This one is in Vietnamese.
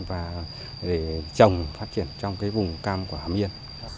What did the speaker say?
và để trồng phát triển trong cái vùng cam của hàm yên